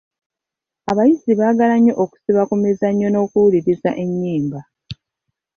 Abayizi baagala nnyo okusiba ku mizannyo n'okuwuliriza ennyimba.